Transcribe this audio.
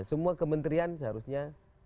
semua kementerian seharusnya